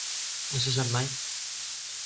No se sap mai.